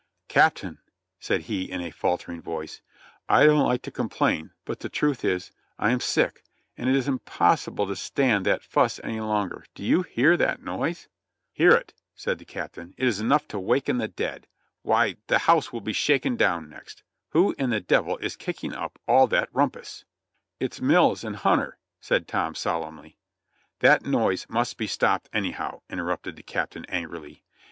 "Captain," said he in a faltering voice, "I don't like to complain, but the truth is, I am sick, and it is impossible to stand that fuss any longer ; do you hear that noise ?" ''Hear it," said the Captain, "it is enough to waken the dead; why, the house will be shaken down next! Who in the devil is kicking up all that rumpus?" "It's Mills and Hunter," said Tom solemnly. "That noise must be stopped anyhow," interrupted the Captain angrily.